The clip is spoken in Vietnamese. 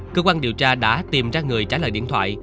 cơ quan điều tra đã tìm ra người trả lời điện thoại